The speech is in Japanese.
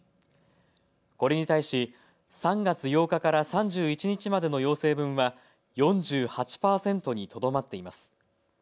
これに対し３月８日から３１日までの要請分は４８％にとどまっています。